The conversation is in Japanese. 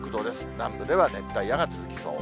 南部では熱帯夜が続きそう。